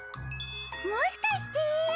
もしかして！